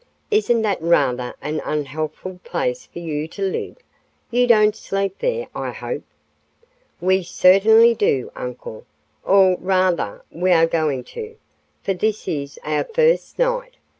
"Isn't that rather an unhealthful place for you to live? You don't sleep there, I hope?" "We certainly do, uncle; or, rather, we are going to, for this is our first night.